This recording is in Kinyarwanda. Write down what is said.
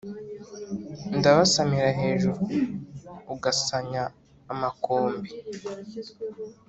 ndabasamira hejuru ugasanya amakombe.